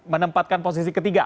menempatkan posisi ketiga